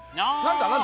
何だ？